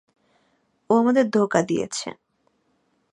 ও আমাদের ধোঁকা দিয়েছে!